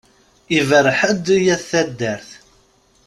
Iberreḥ-d i At taddart.